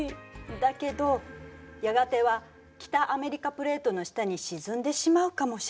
だけどやがては北アメリカプレートの下に沈んでしまうかもしれない。